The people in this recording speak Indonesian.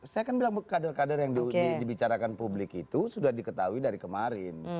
saya kan bilang kader kader yang dibicarakan publik itu sudah diketahui dari kemarin